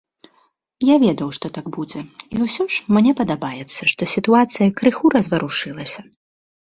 Я ведаў, што так будзе, і ўсё ж мне падабаецца, што сітуацыя крыху разварушылася.